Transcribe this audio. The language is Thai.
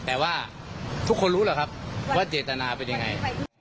แต่ว่าทุกคนรู้แล้วครับว่าเจตนาเป็นยังไง